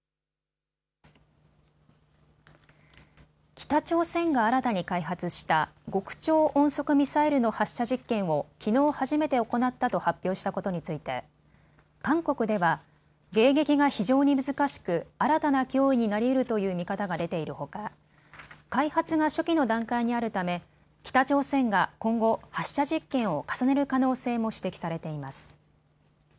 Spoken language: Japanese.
北朝鮮が新たに開発した極超音速ミサイルの発射実験をきのう初めて行ったと発表したことについて韓国では迎撃が非常に難しく、新たな脅威になりうるという見方が出ているほか開発が初期の段階にあるため北朝鮮が今後、発射実験を重ねる可能性も指摘されています。